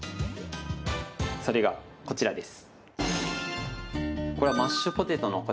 それが、こちらです。